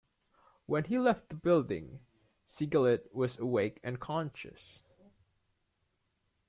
When he left the building, Sigalet was awake and conscious.